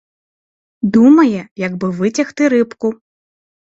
Думає, як би витягти рибку.